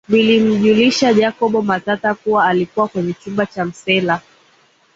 Vilimjulisha Jacob Matata kuwa alikuwa kwenye chumba cha msela